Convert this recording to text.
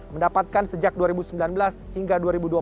mendapatkan sejak dua ribu sembilan belas hingga dua ribu dua puluh